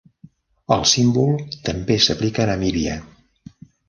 El símbol també s'aplica a Namíbia.